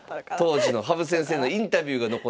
当時の羽生先生のインタビューが残っております。